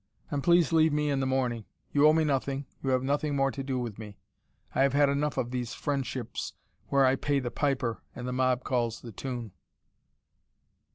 And please leave me in the morning. You owe me nothing, you have nothing more to do with me. I have had enough of these friendships where I pay the piper and the mob calls the tune.